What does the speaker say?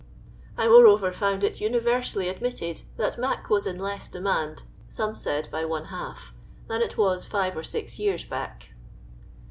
I moreover found it universally admitted, that "mac" was in less demand — some said by one half — than it was five or six years back.